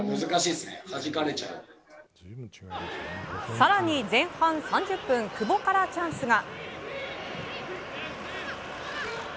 更に前半３０分久保からチャンスが。